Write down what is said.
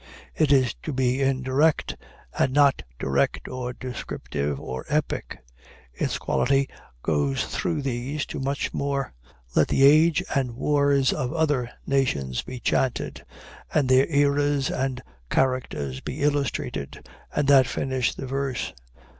It is to be indirect, and not direct or descriptive or epic. Its quality goes through these to much more. Let the age and wars of other nations be chanted, and their eras and characters be illustrated, and that finish the verse.